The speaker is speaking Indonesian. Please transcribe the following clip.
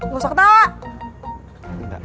gak usah ketawa